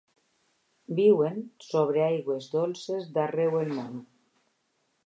Viuen sobre aigües dolces d'arreu el món.